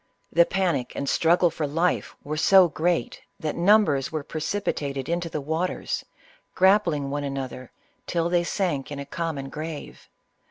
The panic and struggle for life were so great that numbers were precipitated into the waters, grappling one another, till they sank in a common grave.